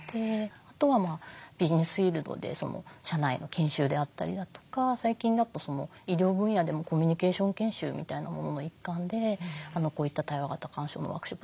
あとはビジネスフィールドで社内の研修であったりだとか最近だと医療分野でもコミュニケーション研修みたいなものの一環でこういった対話型鑑賞のワークショップ